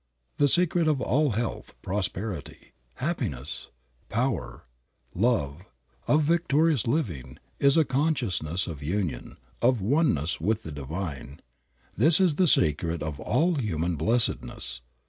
The secret of all health, prosperity, happiness, power, love, of victorious living, is a consciousness of union, of oneness with the Divine. This is the secret of all human blessedness.